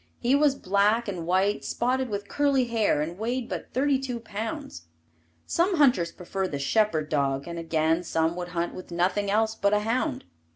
He was black and white spotted with curly hair and weighed but thirty two pounds. Some hunters prefer the shepherd dog and again some would hunt with nothing else but a hound.